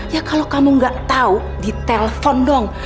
ya kalau kamu gak tahu ditelpon dong